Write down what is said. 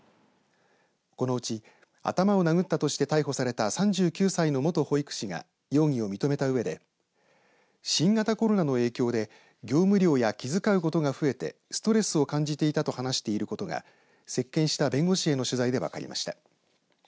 このうち頭を殴ったとして逮捕された３９歳の元保育士が容疑を認めたうえで新型コロナの影響で業務量や気遣うことが増えてストレスを感じていたと話していることが接見した弁護士への取材で分かりました。